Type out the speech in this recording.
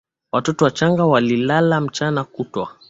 Watoto wachanga walilala mchana kutwa.